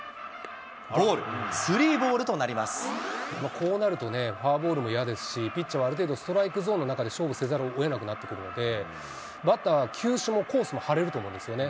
こうなるとね、フォアボールも嫌ですし、ピッチャーもある程度、ストライクゾーンの中で勝負せざるをえなくなってくるので、バッターは球種もコースもはれると思うんですよね。